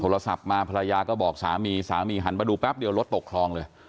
โทรศัพท์มาภรรยาก็บอกสามีสามีหันมาดูแป๊บเดียวรถตกคลองเลย